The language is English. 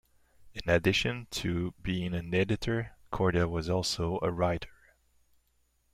In addition to being an editor, Korda was also a writer.